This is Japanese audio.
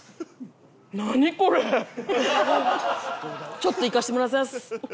ちょっといかせてもらせやす。